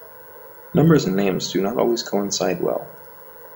Numbers and names do not always coincide well.